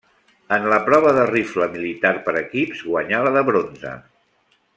En la prova de rifle militar per equips guanyà la de bronze.